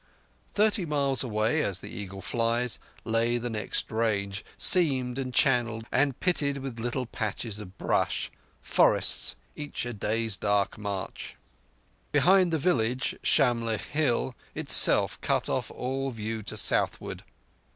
Thirty miles away, as the eagle flies, lay the next range, seamed and channelled and pitted with little patches of brush—forests, each a day's dark march. Behind the village, Shamlegh hill itself cut off all view to southward.